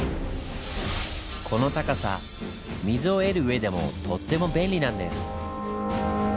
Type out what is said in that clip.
この高さ水を得る上でもとっても便利なんです。